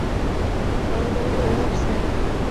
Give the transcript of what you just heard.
তার নাম অমর সিং।